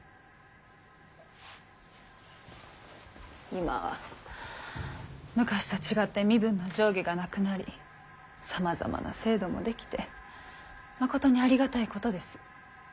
今は昔と違って身分の上下がなくなりさまざまな制度も出来てまことにありがたいことです。